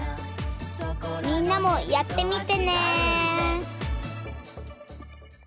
みんなもやってみてね！